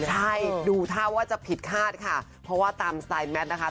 ใช่ดูท่าว่าจะผิดคาดค่ะเพราะว่าตามสไตล์แมทนะคะ